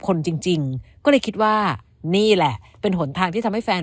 คนจริงจริงก็เลยคิดว่านี่แหละเป็นหนทางที่ทำให้แฟน